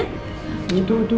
bangun ya bangun